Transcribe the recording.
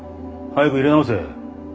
早くいれ直せ。